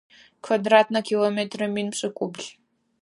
Квадратнэ километрэ мин пшӏыкӏубл.